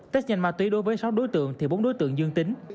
tết nhanh ma túy đối với sáu đối tượng thì bốn đối tượng dương tính